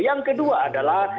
yang kedua adalah